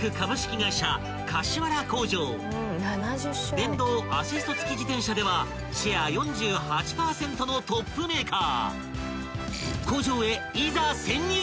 ［電動アシスト付き自転車ではシェア４８％のトップメーカー］